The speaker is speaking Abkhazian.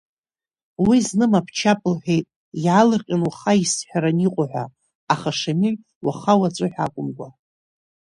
Уи зны мап-чап лҳәеит, иаалырҟьан уаха исҳәаран иҟои ҳәа, аха Шамиль уаха-уаҵәы хәа акәымкәа.